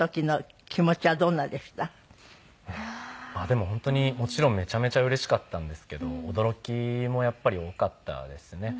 でも本当にもちろんめちゃめちゃうれしかったんですけど驚きもやっぱり大きかったですね。